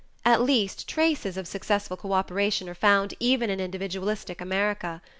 At least traces of successful cooperation are found even in individualistic America.